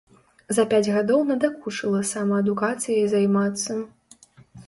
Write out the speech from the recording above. За пяць гадоў надакучыла самаадукацыяй займацца.